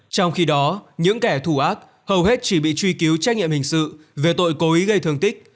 trong khi đó những kẻ thù ác hầu hết chỉ bị truy cứu trách nhiệm hình sự về tội cố ý gây thương tích